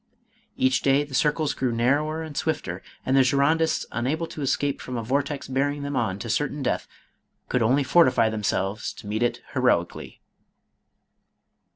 Each day the circles grew narrower and swifter, and the Girondists unable to escape from a vortex bear ing them on to certain death, could only fortify them selves to meet it heroically.